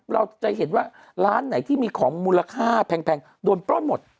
เราจะเห็นว่าร้านไหนที่มีของมูลค่าแพงโดนปล้นหมด